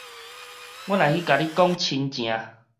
我來去共你講親情